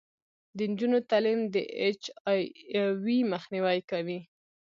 د نجونو تعلیم د اچ آی وي مخنیوی کوي.